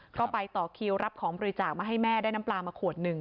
ก็ไปต่อคิวรับของบริจาคมาให้แม่ได้น้ำปลามาขวดหนึ่ง